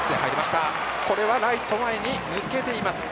ライト前に抜けています。